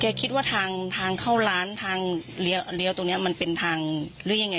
คิดว่าทางทางเข้าร้านทางเลี้ยวตรงนี้มันเป็นทางหรือยังไง